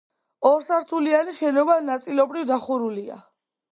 ორსართულიანი შენობა ნაწილობრივ დახურულია.